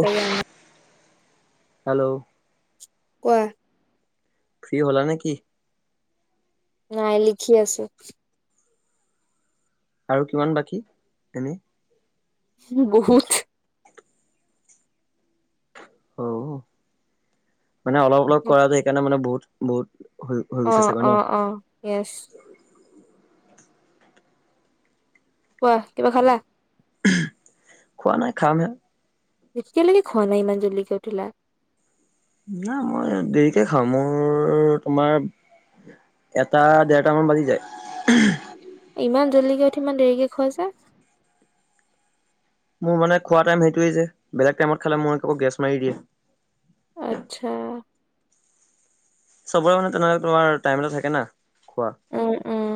চাগে আমাৰ হেল্ল', কোৱা? ফ্ৰী হ'লা নেকি? নাই লিখি আছে। আৰু কিমান বাকী এনে? বহুত। অহ, মানে অলপ- অলপ কৰাযে সেইকাৰণে মানে বহুত- বহুত হৈ- হৈ গৈছে অ', চাগে ন '? অ', অ', য়েছ কোৱা কিবা খালা? খোৱা নাই খামহে। এতিয়ালৈকে খোৱা নাই ইমান জল্দিকে উঠিলা। নাই মই দেৰিকে খাওঁ মোৰ, তোমাৰ এটা, দেৰটামান বাজি যায়। ইমান জল্দিকে উঠি ইমান দেৰিকে খোৱা যে মোৰ মানে খোৱা টাইম সেইটোৱেই যে বেলেগ টাইমত খালে মোক [unintelligible] গেছ মাৰি দিয়ে। আচ্ছা। চবৰে মানে তেনেকে তোমাৰ টাইম এটা থাকে না খোৱা। উম, উম,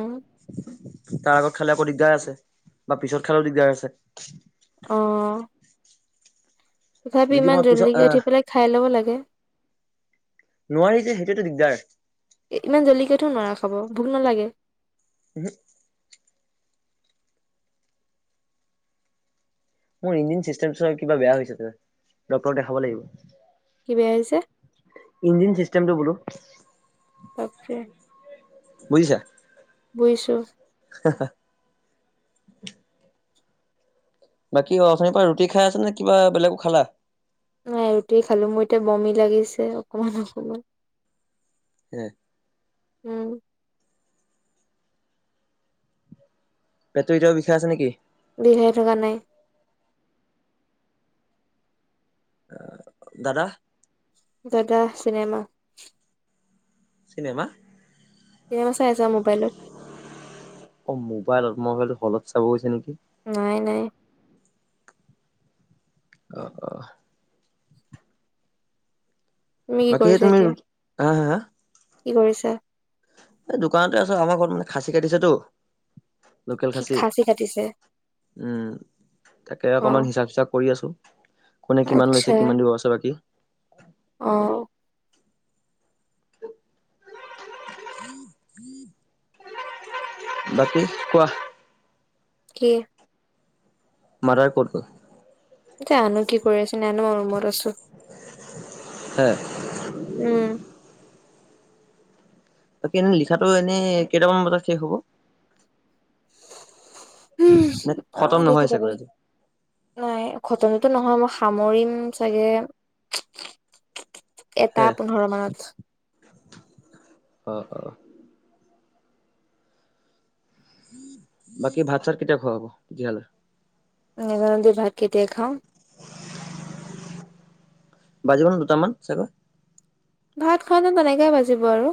তাৰ আগত খালে আকৌ দিগ্দাৰ আছে বা পিছত খালেও দিগদাৰ আছে। অ', তথাপি যদি ইমান মই পিছত জল্দিকে আহ উঠি পেলাই খাই ল'ব লাগে। নোৱাৰি যে সেইটোৱেতো দিগদাৰ ইমান জল্দিকেটো নোৱাৰা খাব ভোক নালাগে। ওহো। মোৰ ইঞ্জিন চিষ্টেমচোৱা কিবা বেয়া হৈছে [unintelligible] ডক্তৰক দেখাব কি বেয়া হৈছে লাগিব। ইঞ্জিন চিষ্টেমটো বোলো তাকে। বুজিছা? বুজিছো। হা-হা বাকী অথনীৰ পৰা ৰুটি খাই আছা নে কিবা বেলগো খালা? নাই, ৰুটি খালোঁ মোৰ এতিয়া বমি লাগিছে অকমান- অকমান। এ' উম পেটটো এতিয়াও বিষাই আছে নেকি? বিষাই থকা নাই। আ-দাদাহ দাদাহ চিনেমা চিনেমা গেম চাই আছে মোবাইলত। অ মোবাইলত মই ভাৱিলোঁ হলত চাব গৈছে নেকি? নাই-নাই। অহ - অহ তুমি কি বাকীহে কৰিছা তুমি এতিয়া? ৰুদ হা-হা কি কৰিছা? এ'দোকানতে আছো। আমাৰ ঘৰত মানে খাচী কাটিছেটো। লোকেল কি খাচী। কাটিছে? উম, তাকে অ', অকমান হিচাপ- ছিছাপ কৰি আছো। কোনে কিমান লৈছে কিমান দিব আছে বাকী? অঁ। বাকী কোৱা? কি? মাদাৰ কত গল? জানো কি কৰি আছে, নাজানো আৰু ৰোমত আছো। হে উম। বাকী এনে লিখাটো এনেই কেইটামান বজাত শেষ হ'ব? হুঁহ্‌, নে খতম সামৰিলি নহয় চাগৈ কেতিয়াবাই? আজি নাই, খটমটো নহয়, মই সামৰিম চাগে, এটা পোন্ধৰ মানত। অঁ, অঁ। বাকী ভাত-চাত কেতিয়া খোৱা হ'ব তেতিয়া হলে? নেজানোঁ দে ভাত কেতিয়া খাওঁ? বাজিব ন দুটামান, চাগৈ? ভাত খাওঁতে তেনেকে বাজিব আৰু।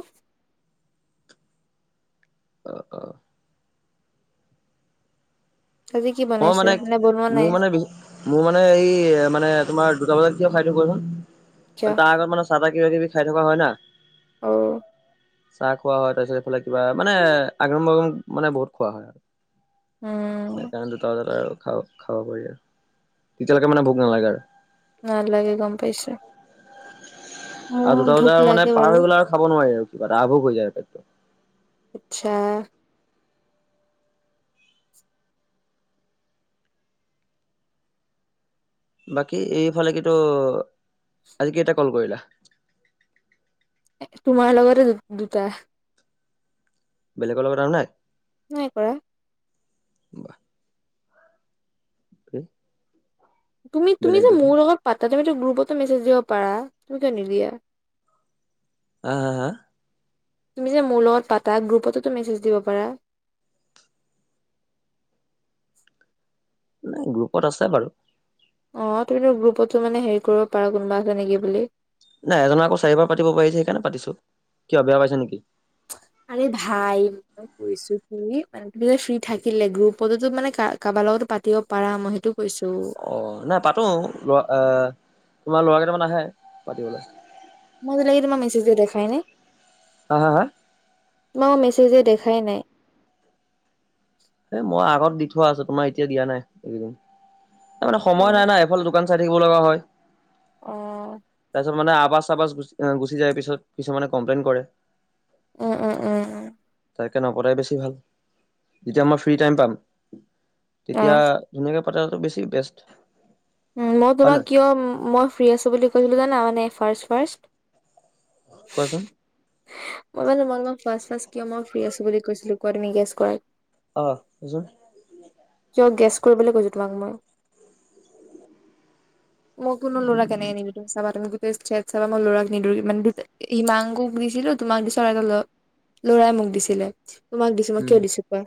অঁ, অঁ। আজি কি মই বনাইছে? মানে, নে বনোৱা নাই? মোৰ মানে, মোৰ মানে, এই মানে তোমাৰ দুটা বজাত কিয় খাই দিও কিয়? কোৱাচোন। তাৰ আগত মানে চাহ-তাহ কিবা কিবি খাই থকা হ'য় না। অঁ। চাহ খোৱা হয়। তাৰপিছত এইফালে কিবা, মানে আগং-বাগং মানে, বহুত খোৱা হয়। উম। সেইকাৰণে দুটা বজাত আৰু খ খাব পাৰি আৰু তেতিয়ালৈকে মানে ভোক নালাগে আৰু। নালাগে গম পাইছো। আৰু মোৰ দুটা ভোক বজাৰ মানে লাগে পাৰ বাৰু। হৈ গ'লে আৰু খাব নোৱাৰি আৰু কিবা এটা আভোগ হৈ যায় আৰু পেট তো। আচ্ছা। বাকী এইফালে কিন্তু, আজি কেইটা কল কৰিলা? তোমাৰ লগতে দু দুটা। বেলেগৰ লগত আৰু নাই? নাই কৰা। বাহ। প [unintelligible] তুমি, তুমি যে মোৰ লগত পা ত তুমি তো গ্ৰুপতো মেছেজ দিব পাৰা, তুমি কিয় নিদিয়া? হা, হা, হা? তুমি যে মোৰ লগত পাতা, গ্ৰুপততো মেছেজ দিব পাৰা? [inaudible] ন গ্ৰুপত আছে বাৰু। অ' তুমিতো গ্ৰুপতো মানে হেৰি কৰিব পাৰা। কোনোবা আছে নেকি বুলি? নাই এজনৰ আকৌ চাৰিবাৰ পাতিব পাৰিছে সেইকাৰণে পাতিছো। কিয় বেয়া পাইছে নেকি? আৰে ভাই, মই কৈছো কি মানে তুমি যে ফ্ৰী থাকিলে গ্ৰুপতে মানে কাবাৰ লগত পাতিব পাৰা। মই সেইটো কৈছো অ' নাই পাতো লৰা আহ তোমাৰ লৰা কেইটামান আহে পাতিবলে। মইত লাগি ম মেছেজ দিও দেখাই নাই। হা, হা, হা? তোমাৰ মই মেছেজ দিয়া দেখাই নাই। এ মই আগত দি থোৱা আছে, তোমাৰ এতিয়া দিয়া নাই এইকেইদিন। মানে অ সময় নাই না। এইফাল দোকান চাই থাকিব লগা হয়। অ তাৰপিছত মানে আবাজ-চাবাজ গু গুচি যায়। পিছত কিছুমানে কমপ্লেইন কৰে। উম, উম, উম, উম। তাকে নপতাই বেছি ভাল। যেতিয়া মই ফ্ৰী টাইম পাম অ তেতিয়া, ধুনীয়াকে পাতাটো বেছি বেছ। মই তোমাক কিয় মই ফ্ৰী আছো বুলি কৈছিলোঁ জানা, মানে ফাৰ্ষ্ট-ফাৰ্ষ্ট কোৱাচোন? মই মানে মই ফাৰ্ষ্ট-ফাৰ্ষ্ট কিয় মই ফ্ৰী আছো বুলি কৈছিলো? তুমি গেছ কৰা। আহ কোৱাচোন। মই গেছ কৰিবলৈ কৈছো তোমাক মই। মই কোনো ল'ৰা এনেকে নামাতো চাবা তুমি চেট চাবা মই লৰাক নিদৰি মানে হিমাংকুক দিছিলো তোমাক দিছিলোঁ তোমাক দিছোঁ আৰু এটা লৰা লৰাই মোক দিছিলে। তোমাক দিছো মই উম। কিয় দিছো কোৱা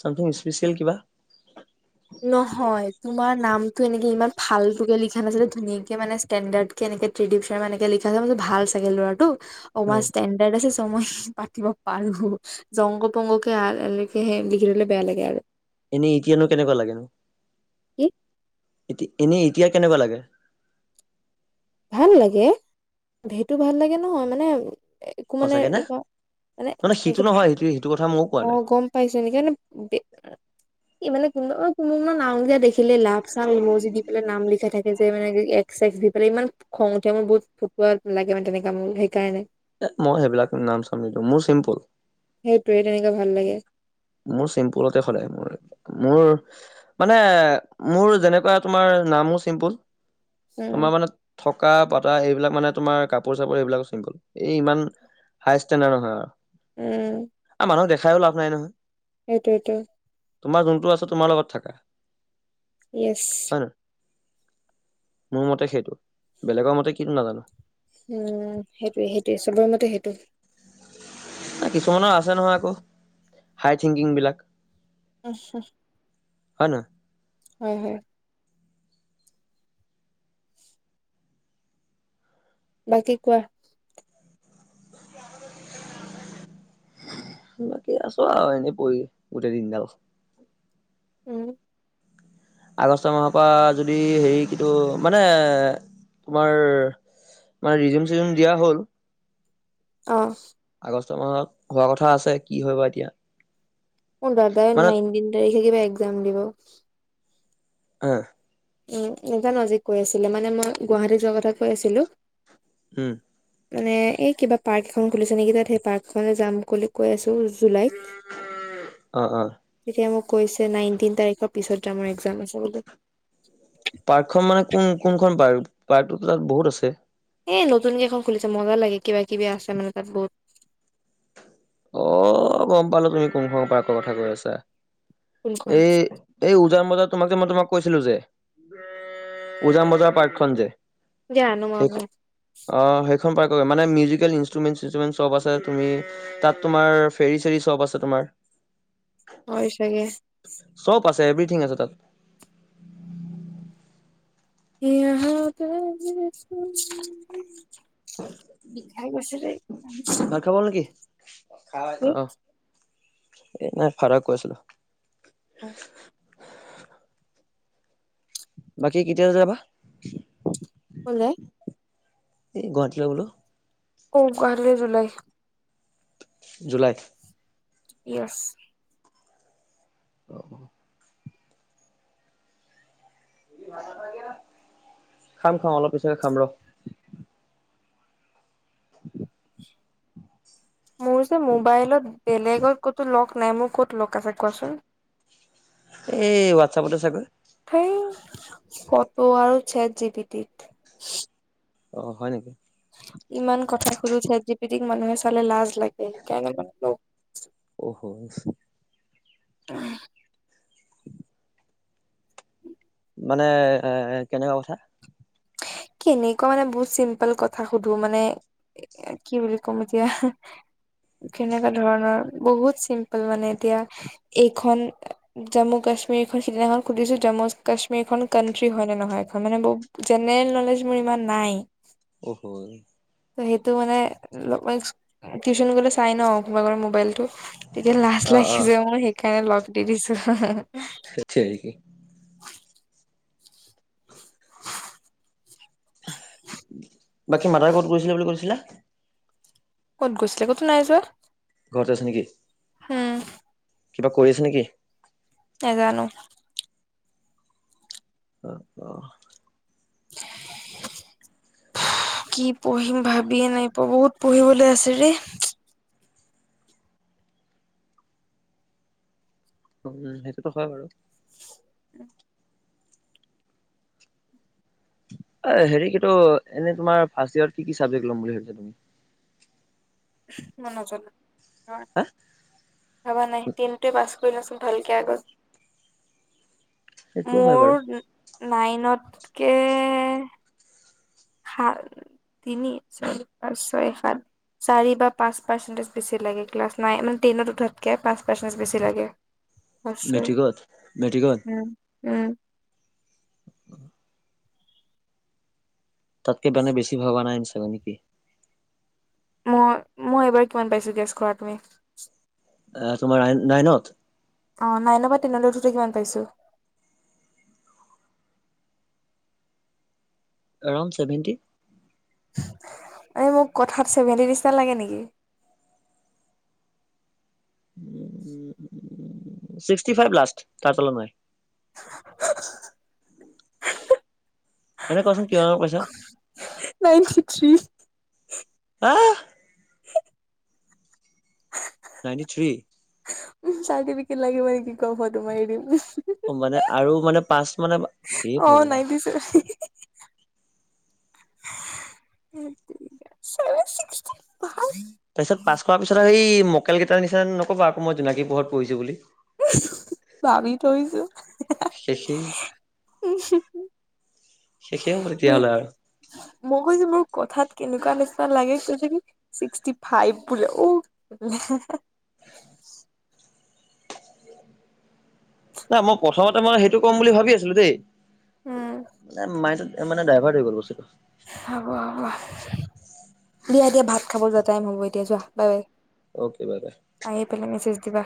চামথিং স্পেচিয়েল কিবা? নহয়, তোমাৰ নামটো এনেকে ইমান ফালতোকে লিখা নাছিলে ধুনীয়াকে মানে ষ্টেণ্ডাৰ্ড কে ত্ৰিদিপ শৰ্মা এনেকে লিখা আছে মই ভাবিছোঁ ভাল চাগে ল'ৰাটো অ অকমান ষ্টেণ্ডাৰ্ড আছে য় পাতিব পাৰো জংগ-পংগকে লিখে লিখি দিলে বেয়া লাগে আৰু। এনেই এতিয়ানো কেনেকুৱা লাগেনো? কি? এতি এনেই এতিয়া কেনেকুৱা লাগে? ভাল লাগে, সেইটো ভাল লাগে নহয় মানে একো মানে সঁচাকে নে? এনেকুৱা মানে নহয় সিটো এনেকে নহয় সেইটো সেইটো কথা ময়ো কোৱা নাই আহ' গম পাইছো নেকি মানে। ই মানে কোনো কোনোব ম নাম বেয়া দেখিলে লাভ চাং ল যি দি পেলাই নাম লিখা থাকে যে মানে একে সি পেলাই ইমান খং উঠে মোৰ বহুত ফুটুৱাত লাগে মানে তেনেকা মোৰ, সেইকাৰণে এ মই সেইবিলাক নাম চাম নিদো মোৰ চিম্পুল সেইটোৱে তেনেকা ভাল লাগে। মোৰ চিম্পুলতে সদায় মোৰ মোৰ মানে মোৰ যেনেকোৱা তোমাৰ নামো চিম্পুল উম তোমাৰ মানে ককা পাতা এইবিলাক মানে তোমাৰ কাপোৰ চাপোৰ এইবিলাক চিমপোল এই ইমান হাই ষ্টেণ্ডাৰ্ড নহয় আৰু। উম। মানুহ দেখাইও লাভ নাই নহয়। সেইটোৱেটো তোমাৰ যোনটো আছে তোমাৰ লগত থাকা। ইয়েচ। হয় নহয় মোৰ মতে সেইটো বেলেগৰ মতে কিন্তু নাজানো। উম সেইটোয়ে সেইটোয়ে চবৰে মতে সেইটো কিছুমানৰ আছে নহয় আকৌ হাই থিংকিংবিলাক অচ হয় ন। হয় হয়। বাকী কোৱা বাকী আছো আৰু এনেই পৰি গোটেই দিন দাল। উম আগষ্ট মাহৰ পৰা যদি হেৰি কিটো মানে তোমাৰ মানে ৰিজিম চিজিম দিয়া হ'ল। অ আগষ্ট মাহত হোৱা কথা আছে কি হয় বা এতিয়া। অ দাদা মানে নাইনটিন তাৰিখে কিবা একজাম দিব। অ উম এটা নজিক কৈ আছিলে মানে মই গুৱাহাটী যোৱা কথা কৈ আছিলো। হম মানে এই কিবা পাৰ্ক এখন খুলিছে নেকি তাত সেই পাৰ্কখনলৈ যাম বুলি কৈ আছো। টো জুলাইত অ অ এতিয়া মোক কৈছে নাইনটিন তাৰিখৰ পিছত আমাৰ একজাম আছে বুলি। পাৰ্কখন মানে কোন কোনখন পাৰ্ক পাৰ্কটো তাত বহুত আছে। এ নতুন কেইখন খুলিছে মজা লাগে কিবা কিবি আছে মানে তাত বহুত অ গম পালো তুমি কোনখৰ পাৰ্কৰ কথা কৈ আছা। কোনখন এ এই উজান বজাৰ তোমাক যে মই তোমাক কৈছিলো যে উজান বজাৰ পাৰ্ক খন যে, জানো মনত নাই। এখন পাৰ্কৰ কৰে মানে মিউজিকেল ইনট্ৰুমেণ্টচ ইনটুমেণ্ট চবছে তুমি তাত তোমাৰ ফেৰী চেৰী চব আছে তোমাৰ হয় চাগে চব আছে এভৰিথিং আছে তাত। [unintelligible] বিখায় গৈছে দেই। ভাত খাব হ'ল নেকি অ এই নাই ফাৰক কৈ আছিলো। অ বাকী কেতিয়া যাবা। হেল্ল এই গুৱাহাটীলৈ গলো। অ গুৱাহাটী লে জুলাই জুলাই ইয়েচ। অ অ [inaudible] [unintelligible] খাম খাম অলপ পিছকে খাম ৰ। [inaudible] মোৰ যে মোবাইলত বেলেগত ক'তো লক নাই। মোৰ ক'ত লক আছে কোৱাচোন? এই হোৱাটছাপতে চাগৈ? সেই কত আৰু ছেট জী পি টি। অ হয় নেকি? ইমান কথা সুধো চেট যি পি টিক মানুহে চালে লাজ লাগে। সেইকাৰণে [unintelligible] অহ। আহ। মানে এ কেনেকুৱা কথা? কেনেকুৱা মানে বহুত চিম্পল কথা সুধো মানে কি বুলি ক'ম এতিয়া! কেনেকা ধৰণৰ বহুত চিম্পল মানে এতিয়া, এইখন জম্মু কাশ্ম কাশ্মীৰ সিদিনাখন সুধিছো জম্মু কাশ্মীৰ খন কানট্ৰি হয় নে নহয় এখন মানে ব জেনেৰেল নলেজ মোৰ ইমান নাই। অ হয়। ত সেইটো মানে টিউশচন গলে চাই ন কোনোবা কোনোবা মোবাইলতটো তেতিয়া লাজ অ অ লাগিছে মোৰ সেইকাৰণে লগ দি দিছো [unintelligible] ঠেততেৰিকি। [unintelligible] বাকী মাতাই ক'ত গৈছিলে বুলি কৈছিলা? ক'ত গৈছিলে ক'তো নাই যোৱা। ঘৰতে আছে নেকি? হম। কিবা কৰি আছে নেকি? নেজানো। আহ অ। [unintelligible] কি পঢ়িম ভাবিয়ে নাই পোৱা বহুত পঢ়িবলৈ আছে ৰে। [unintelligible] সেইটোতো হয় বাৰু। হেৰি কিটো এনে তোমাৰ ফাৰ্ষ্ট ইয়াৰত কি কি চাবজেক্ট লম বুলি ভাবিছা তুমি? [inaudible] মই নজনা হা ভবা নাই তেণ টোৱে পাঁচ লওঁচোন ভালকে আগত। সেইটোও হয় মোৰ বাৰু নাইনত কে সাত তিনি ছয় পাঁচ ছয় সাত চাৰি বা পাঁচ পাৰ্চেটেজ বেছি লাগে ক্লাছ নাইন মানে টেনত উঠাতকে পাঁচ পাৰ্চেটেজ বেছি লাগে। অশয় মেট্ৰিকত মেট্ৰিকত উম উম। তাতকে বানে বেছি ভবা নাই ইন চাগৈ নেকি? মই মই এইবাৰ কিমান পাইছো গেছ কৰা তুমি? আহ তোমাৰ ৰা নাইনত? অ নাইনৰ পৰা টেনলৈ উঠোতে কিমান পাইছো? Around seventy? এই মোক কথাত চছেভেণ্টি নিচনা লাগে নেকি? সীষ্টি ফাইভ লাষ্ট তাৰ তলত নাই। [unintelligible] আৰে কচোন, কিমান নম্বৰ পাইছা? Ninety three. আহ! [unintelligible] [unintelligible] Ninety three? উমহু চাৰ্টিফিকেট লাগিব নেকি ক ফটো মাৰি দিম উম ও মানে আৰু মানে পাচ মানে, এই অ' ভগৱান নাইনটি ধেত তেৰিকা চেভেন ছিক্সটি ফা মক্কেল কেইটাৰ নিচিনা নকবা আকৌ মই জোনাকী পোহৰত পঢ়িছো বুলি। উমহ হু হু ভাবি থৈছো হেহেআ শেষেই উস উম হু শেষেই হ'ব তেতিয়াহ'লে আৰ মই কৈছো মোৰ কথাত কেনেকুৱা নিচিনাৰ লাগে কৈছে কি ছিক্সটি ফাইভ বোলে ও [unintelligible] [unintelligible] নাই মই প্ৰথমতে মই সেইটো কম বুলি ভাবি আছিলো দেই উম নাই মাইনতত এ মানে ড্ৰাইভাৰ ধই গ'ল বস্তুটো হব হ'ব। দিয়া দিয়া ভাত খাব যোৱাৰ টাইম হ'ব এতিয়া যোৱা bye bye, okay bye bye আহি পেলাই মেছেজ দিবা।